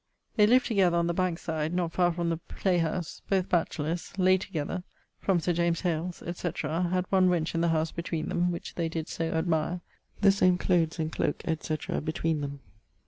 They lived together on the Banke side, not far from the Play house, both batchelors; lay together from Sir James Hales, etc.; had one wench in the house between them, which they did so admire; the same cloathes and cloake, &c., betweene them.